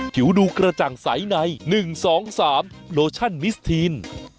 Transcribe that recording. ผิวดูกระจ่างใสใน๑๒๓โลชั่นมิสทีน